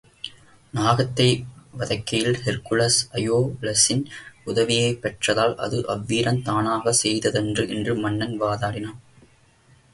நாகத்தை வதைக்கையில் Hercules அயோலஸின் உதவியைப் பெற்றதால், அது அவ்வீரன் தானாகச் செய்ததன்று என்று மன்னன் வாதாடினான்.